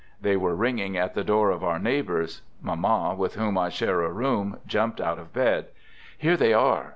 They were ringing at the door of our neighbors. Mamma, with whom I share a room, jumped out of bed. " Here they are!